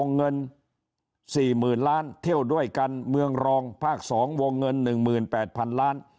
เงิน๔๐๐๐ล้านเที่ยวด้วยกันเมืองรองภาค๒วงเงิน๑๘๐๐๐ล้าน